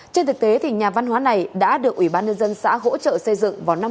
trên thực tế thì nhà văn hóa này đã được ủy ban nhân dân xã hỗ trợ xây dựng vào năm hai nghìn một mươi